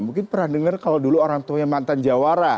mungkin pernah dengar kalau dulu orang tuanya mantan jawara